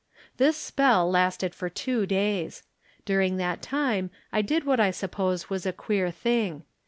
This spell lasted for two days. During that time I did what I suppose was a queer thing.